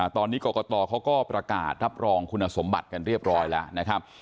ตอนนี้กรกตเขาก็ประกาศรับรองคุณสมบัติกันเรียบร้อยแล้วนะครับ